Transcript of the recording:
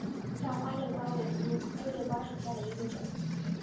大花裂瓜为葫芦科裂瓜属下的一个种。